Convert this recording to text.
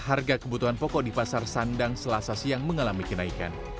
harga kebutuhan pokok di pasar sandang selasa siang mengalami kenaikan